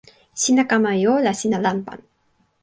sina kama jo la sina lanpan.